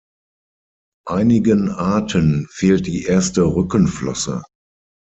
Einigen Arten fehlt die erste Rückenflosse.